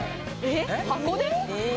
えっ箱で！？